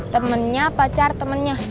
temennya pacar temennya